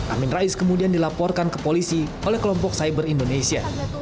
amin rais kemudian dilaporkan ke polisi oleh kelompok cyber indonesia